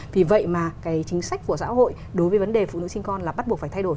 vì vậy mà cái chính sách của xã hội đối với vấn đề phụ nữ sinh con là bắt buộc phải thay đổi